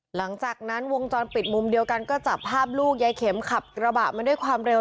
หลังจากนั้นวงจรปิดมุมเดียวกันก็จับภาพลูกยายเข็มขับกระบะมาด้วยความเร็ว